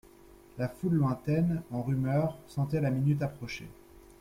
La foule lointaine, en rumeur, sentait la minute approcher.